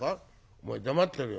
「お前黙ってろよ。